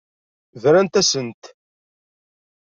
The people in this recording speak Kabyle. Brant-asent.